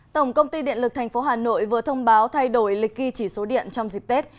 tổng công ty điện lực tp hà nội vừa thông báo thay đổi lịch ghi chỉ số điện trong dịp tết